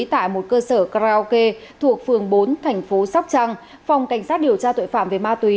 tại một cơ sở karaoke thuộc phường bốn thành phố sóc trăng phòng cảnh sát điều tra tội phạm về ma túy